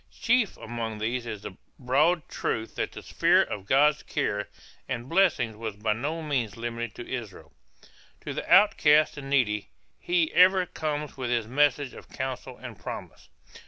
Chief among these is the broad truth that the sphere of God's care and blessing was by no means limited to Israel. To the outcast and needy he ever comes with his message of counsel and promise.